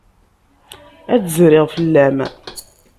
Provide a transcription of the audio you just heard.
Ad d-zriɣ fell-am.